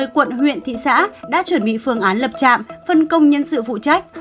một mươi quận huyện thị xã đã chuẩn bị phương án lập trạm phân công nhân sự phụ trách